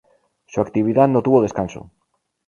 Su actividad no tuvo descanso.